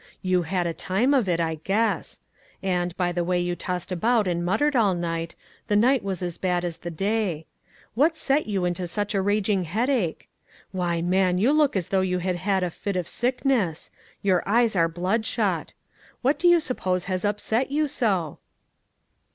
You had a time of it, I guess. And, by the way you tossed about and muttered all night, the night was as bad as the day. What set you into such a raging A VICTIM OF CIRCUMSTANCE. 149 headache? Why, man, you look as though you had had a fit of sickness. Your eyes are bloodshot. What do you suppose has upset you so